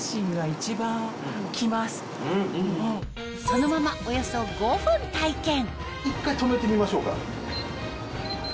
そのまま一回止めてみましょうか。